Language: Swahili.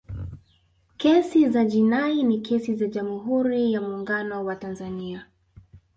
kesi za jinai ni kesi za jamhuri ya muungano wa tanzania